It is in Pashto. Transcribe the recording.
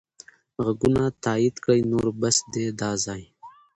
ږغونه تایید کړئ نور بس دی دا ځای.